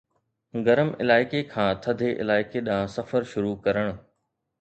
گرم علائقي کان ٿڌي علائقي ڏانهن سفر شروع ڪرڻ